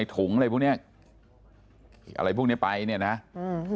ถุงอะไรพวกเนี้ยอะไรพวกเนี้ยไปเนี้ยนะอืม